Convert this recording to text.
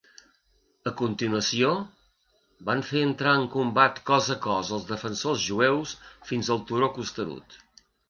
A continuació, van fer entrar en combat cos a cos els defensors jueus fins al turó costerut.